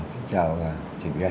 xin chào chị vy anh